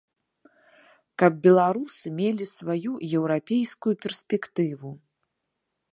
Каб беларусы мелі сваю еўрапейскую перспектыву.